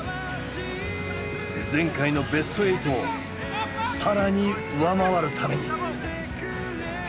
前回のベストエイトを更に上回るために。